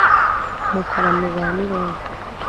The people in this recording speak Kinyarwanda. Mukora mu za Mironko